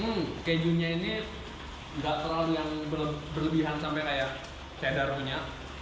hmm kejunya ini nggak terlalu yang berlebihan sampai kayak cadar punya